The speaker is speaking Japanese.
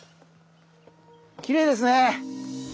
きれいですね。